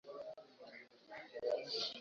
unga lishe unakua tayari kutumia